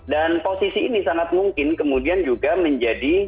dan posisi ini sangat mungkin kemudian juga menjadi